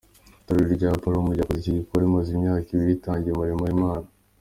Itorero rya Upper Room ryakoze iki gikorwa, rimaze imyaka ibiri ritangiye umurimo w’Imana.